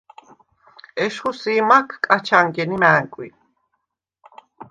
ეშხუ სი̄მაქ კაჩ ანგენე მა̄̈ნკვი.